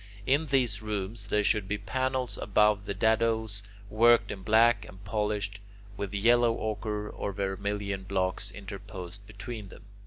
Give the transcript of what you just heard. In these rooms there should be panels above the dadoes, worked in black, and polished, with yellow ochre or vermilion blocks interposed between them.